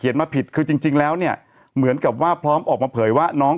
มาผิดคือจริงแล้วเนี่ยเหมือนกับว่าพร้อมออกมาเผยว่าน้อง